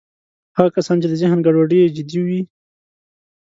هغه کسان چې د ذهن ګډوډۍ یې جدي وي